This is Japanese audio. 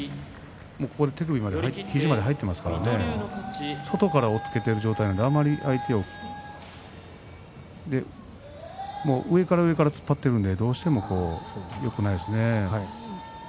肘まで入っていますからそこまで押っつけている状態で相手をあまり上から上から突っ張っているのでどうしてもよくないですね。